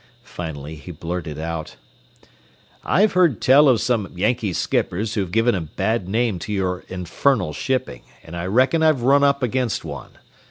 Finally he blurted out: "I've heard tell of some Yankee skippers who've given a bad name to your infernal shipping, an' I reckon I've run up against one.